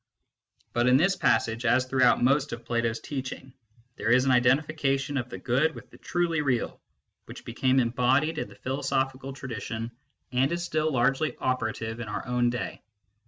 But in this passage, as throughout most of Plato s teaching, there is an identification of the good with the truly real, which became embodied in the philosophical MYSTICISM AND LOGIC 7 tradition, and is still largely operative in our own day.